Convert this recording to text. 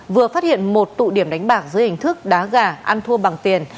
vừa phát hiện một tụ điểm đánh bạc dưới hình thức đá gà ăn thua bằng tiền